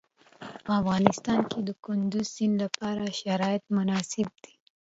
په افغانستان کې د کندز سیند لپاره شرایط مناسب دي.